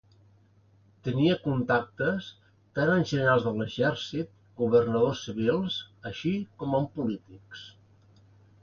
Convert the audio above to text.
Tenia contactes tant amb generals de l’exèrcit, governadors civils, així com amb polítics.